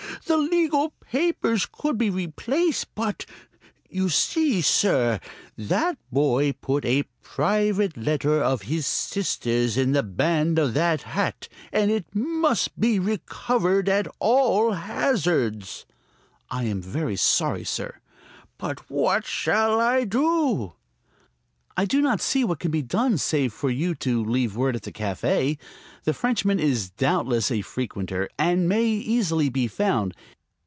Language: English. The legal papers could be replaced, but.... You see, sir, that boy put a private letter of his sister's in the band of that hat, and it must be recovered at all hazards." "I am very sorry, sir." "But what shall I do?" "I do not see what can be done save for you to leave word at the café. The Frenchman is doubtless a frequenter, and may easily be found.